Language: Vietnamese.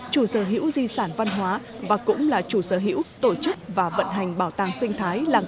chủ sở hữu di sản văn hóa và cũng là chủ sở hữu tổ chức và vận hành bảo tàng sinh thái làng